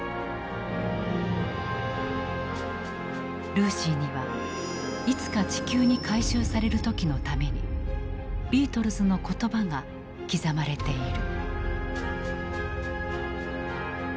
ルーシーにはいつか地球に回収される時のためにビートルズの言葉が刻まれている。